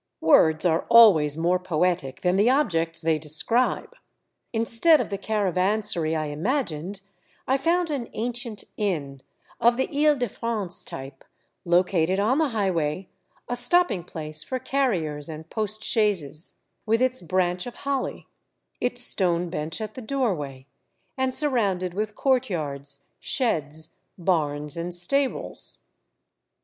^ Words are always more poetic than the objects they describe. Instead of the caravansary I imagined, I found an ancient inn, of the Ile de France type, located on the highway, a stopping place for carriers and post chaises, with its branch of holly, its stone bench at the doorway, and sur rounded with courtyards, sheds, barns, and stables.